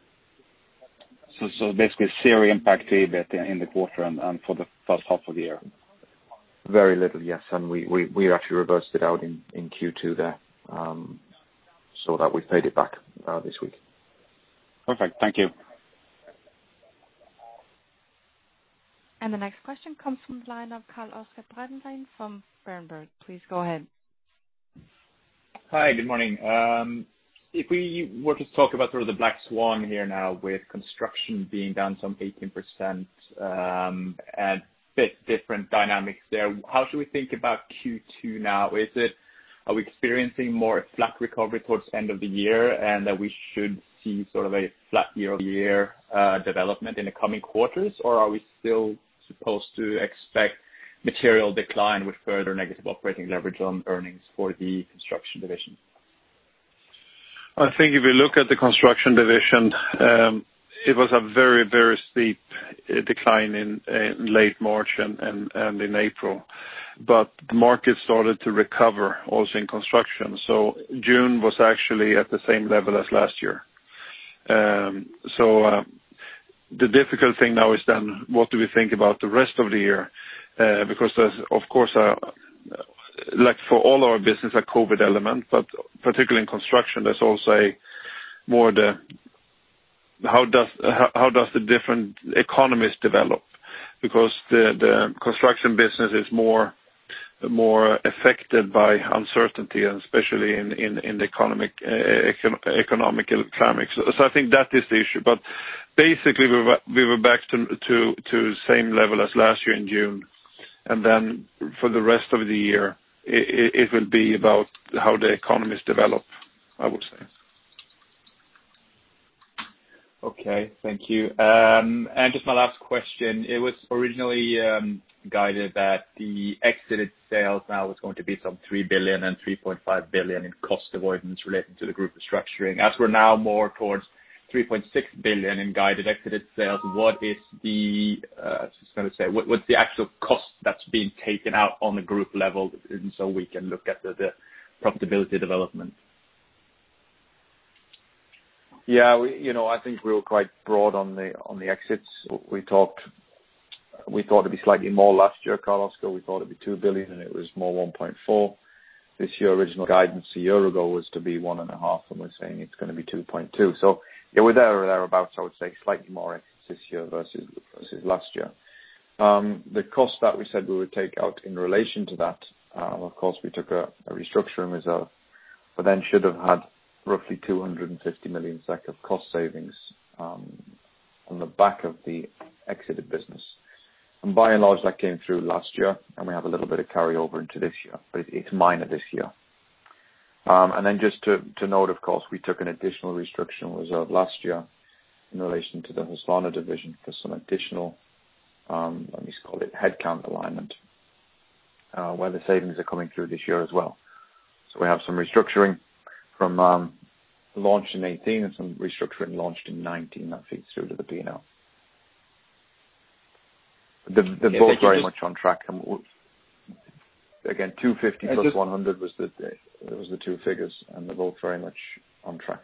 Basically, zero impact in the quarter and for the first half of the year? Very little, yes. We actually reversed it out in Q2 there, so that we paid it back this week. Perfect. Thank you. The next question comes from the line of Oscar Bredengen from Berenberg. Please go ahead. Hi, good morning. If we were to talk about sort of the black swan here now with construction being down some 18% and bit different dynamics there, how should we think about Q2 now? Are we experiencing more flat recovery towards the end of the year, and that we should see sort of a flat year-over-year development in the coming quarters? Are we still supposed to expect material decline with further negative operating leverage on earnings for the Construction Division? I think if you look at the Construction Division, it was a very steep decline in late March and in April. The market started to recover also in construction. June was actually at the same level as last year. The difficult thing now is then what do we think about the rest of the year? Like for all our business, a COVID element, but particularly in construction, there's also more the how does the different economies develop? The construction business is more affected by uncertainty and especially in the economical climate. I think that is the issue. Basically, we were back to same level as last year in June, for the rest of the year, it will be about how the economies develop, I would say. Okay. Thank you. Just my last question. It was originally guided that the exited sales now was going to be some 3 billion-3.5 billion in cost avoidance related to the group restructuring. As we're now more towards 3.6 billion in guided exited sales, what's the actual cost that's being taken out on the group level so we can look at the profitability development? Yeah. I think we were quite broad on the exits. We thought it'd be slightly more last year, Oscar. We thought it'd be 2 billion. It was more 1.4 billion. Original guidance a year ago was to be 1.5 billion. We're saying it's going to be 2.2 billion. We're there or thereabout, I would say slightly more this year versus last year. The cost that we said we would take out in relation to that, of course, we took a restructuring reserve. Should have had roughly 250 million SEK of cost savings on the back of the exited business. By and large, that came through last year. We have a little bit of carryover into this year. It's minor this year. Just to note, of course, we took an additional restructuring reserve last year in relation to the Husqvarna Division for some additional, let me just call it headcount alignment, where the savings are coming through this year as well. We have some restructuring from launch in 2018 and some restructuring launched in 2019. That feeds through to the P&L. They're both very much on track. Again, 250 plus 100 was the two figures, and they're both very much on track.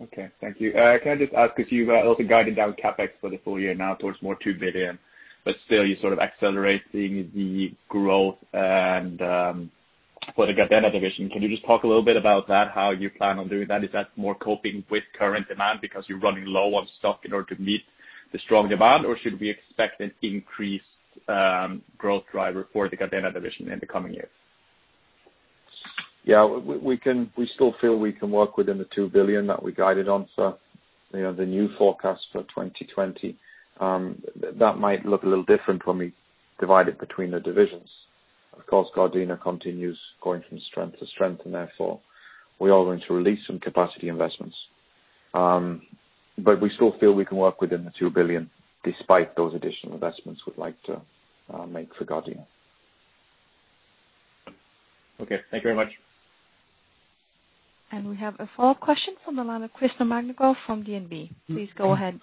Okay. Thank you. Can I just ask, because you've also guided down CapEx for the full year now towards more 2 billion, but still you're sort of accelerating the growth for the Gardena division. Can you just talk a little bit about that, how you plan on doing that? Is that more coping with current demand because you're running low on stock in order to meet the strong demand? Or should we expect an increased growth driver for the Gardena division in the coming years? We still feel we can work within 2 billion that we guided on. The new forecast for 2020, that might look a little different when we divide it between the divisions. Of course, Gardena continues going from strength to strength, and therefore we are going to release some capacity investments. We still feel we can work within 2 billion despite those additional investments we'd like to make for Gardena. Okay. Thank you very much. We have a follow-up question from the line of Christer Magnergård from DNB. Please go ahead.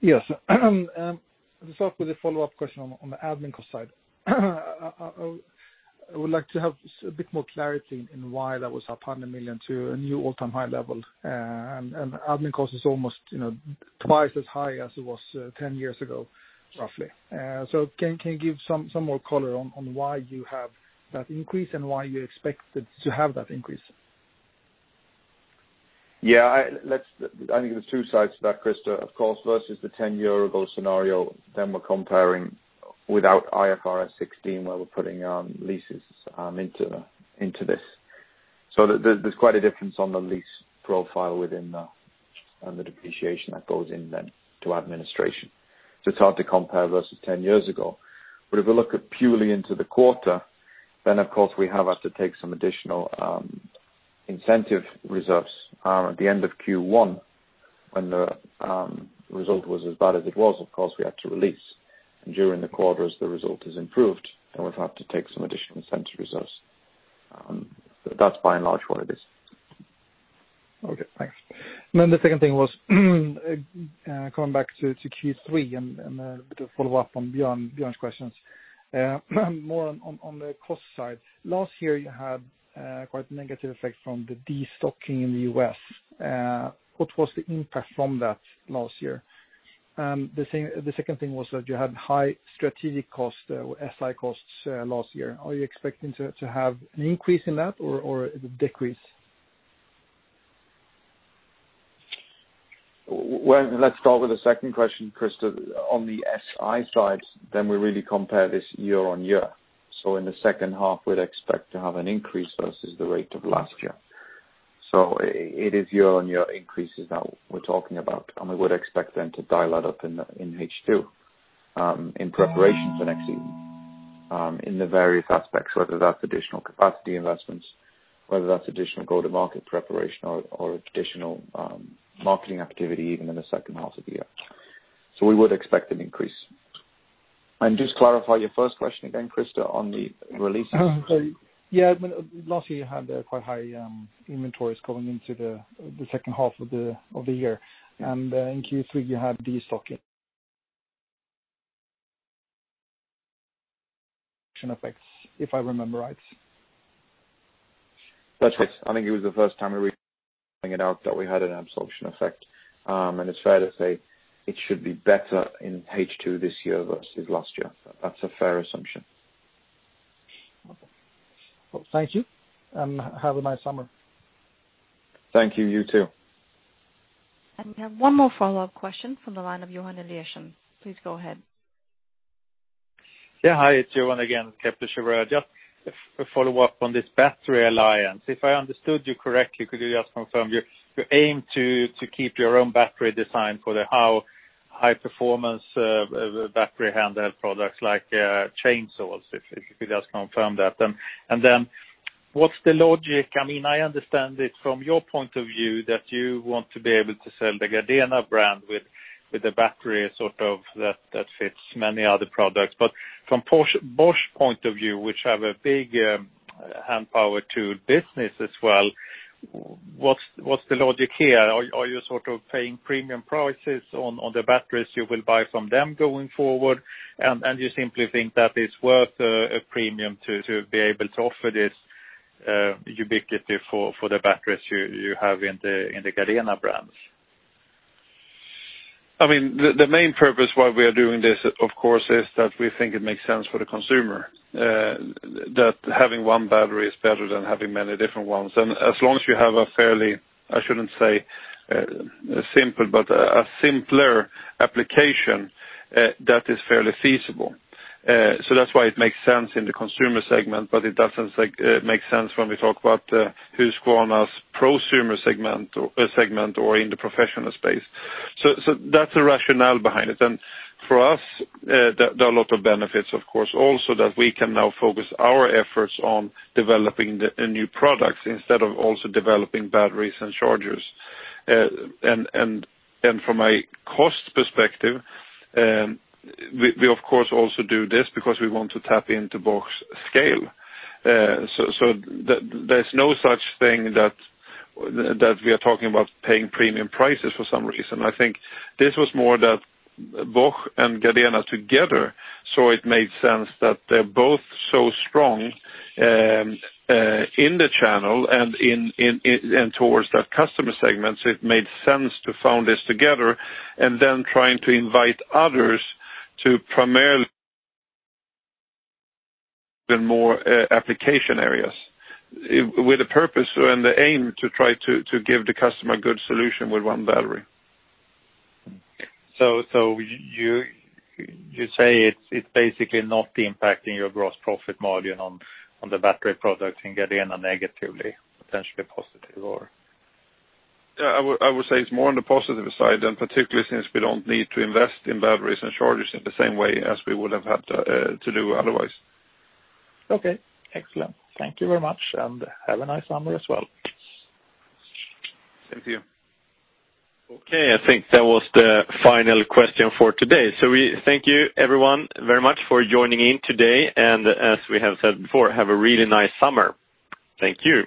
Yes. Let me start with a follow-up question on the admin cost side. I would like to have a bit more clarity in why that was up 100 million to a new all-time high level. Admin cost is almost twice as high as it was 10 years ago, roughly. Can you give some more color on why you have that increase and why you expect to have that increase? Yeah. I think there's two sides to that, Christer. Of course, versus the 10 year ago scenario, then we're comparing without IFRS 16, where we're putting leases into this. There's quite a difference on the lease profile within that and the depreciation that goes in then to administration. It's hard to compare versus 10 years ago. If we look at purely into the quarter, then of course, we have had to take some additional incentive reserves at the end of Q1 when the result was as bad as it was, of course, we had to release. During the quarters, the result has improved, and we've had to take some additional incentive reserves. That's by and large what it is. Okay, thanks. The second thing was coming back to Q3 and a bit of follow-up on Björn's questions. More on the cost side. Last year, you had quite a negative effect from the destocking in the U.S. What was the impact from that last year? The second thing was that you had high strategic costs, SI costs last year. Are you expecting to have an increase in that or a decrease? Let's start with the second question, Christer. On the SI side, we really compare this year-on-year. In the second half, we'd expect to have an increase versus the rate of last year. It is year-on-year increases that we're talking about, and we would expect them to dial that up in H2, in preparation for next season in the various aspects, whether that's additional capacity investments, whether that's additional go-to-market preparation or additional marketing activity even in the second half of the year. We would expect an increase. Just clarify your first question again, Christer, on the releases. Sorry. Yeah. Last year, you had quite high inventories going into the second half of the year. In Q3, you had destocking effects, if I remember right. That's right. I think it was the first time we were bringing it out that we had an absorption effect, and it's fair to say it should be better in H2 this year versus last year. That's a fair assumption. Okay. Well, thank you. Have a nice summer. Thank you. You too. We have one more follow-up question from the line of Johan Eliason. Please go ahead. Yeah. Hi, it's Johan again, Kepler Cheuvreux. Just a follow-up on this battery alliance. If I understood you correctly, could you just confirm, you aim to keep your own battery design for the high-performance battery handheld products like chainsaws. Then what's the logic? I understand it from your point of view, that you want to be able to sell the Gardena brand with the battery, sort of that fits many other products. From Bosch point of view, which have a big hand power tool business as well, what's the logic here? Are you sort of paying premium prices on the batteries you will buy from them going forward, and you simply think that it's worth a premium to be able to offer this ubiquity for the batteries you have in the Gardena brands? The main purpose why we are doing this, of course, is that we think it makes sense for the consumer. Having one battery is better than having many different ones. As long as you have a simpler application that is fairly feasible. That's why it makes sense in the consumer segment, but it doesn't make sense when we talk about Husqvarna's prosumer segment or in the professional space. That's the rationale behind it. For us, there are a lot of benefits, of course, also that we can now focus our efforts on developing the new products instead of also developing batteries and chargers. From a cost perspective, we of course also do this because we want to tap into Bosch scale. There's no such thing that we are talking about paying premium prices for some reason. I think this was more that Bosch and Gardena together, so it made sense that they're both so strong in the channel and towards that customer segment, so it made sense to found this together, and then trying to invite others to primarily build more application areas with the purpose and the aim to try to give the customer a good solution with one battery. You say it's basically not impacting your gross profit margin on the battery product in Gardena negatively, potentially positive or? Yeah, I would say it's more on the positive side, and particularly since we don't need to invest in batteries and chargers in the same way as we would have had to do otherwise. Okay. Excellent. Thank you very much, and have a nice summer as well. Thank you. Okay, I think that was the final question for today. We thank you everyone very much for joining in today, and as we have said before, have a really nice summer. Thank you.